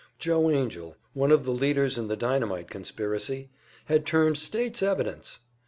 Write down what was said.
Joe Angell, one of the leaders in the dynamite conspiracy, had turned state's evidence!